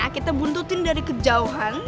kita buntutin dari kejauhan